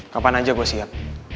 kapan aja gue siap